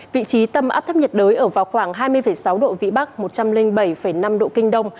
vị trí tâm áp thấp nhiệt đới ở vào khoảng hai mươi sáu độ vĩ bắc một trăm linh bảy năm độ kinh đông